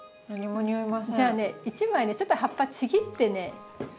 じゃあね１枚ちょっと葉っぱちぎってね。